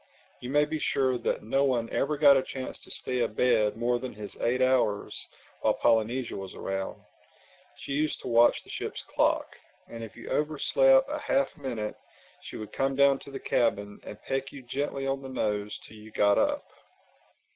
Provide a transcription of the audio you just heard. You may be sure that no one ever got a chance to stay abed more than his eight hours while Polynesia was around. She used to watch the ship's clock; and if you overslept a half minute, she would come down to the cabin and peck you gently on the nose till you got up.